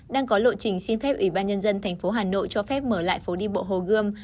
đang có lộ trình xin phép ủy ban nhân dân tp hà nội cho phép mở lại phố đi bộ hồ gươm